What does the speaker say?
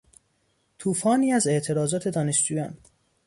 توفانی از اعتراضات دانشجویان